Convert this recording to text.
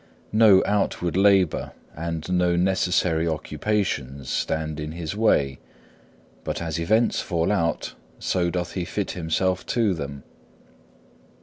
No outward labour and no necessary occupations stand in his way, but as events fall out, so doth he fit himself to them.